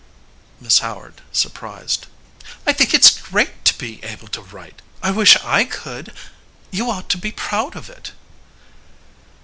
MISS HOWARD (surprised}. I think it s great to be 35 able to write. I wish I could. You ought to be proud of it.